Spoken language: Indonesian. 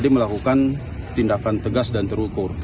melakukan tindakan tegas dan terukur